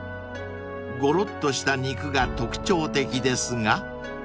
［ゴロッとした肉が特徴的ですが？］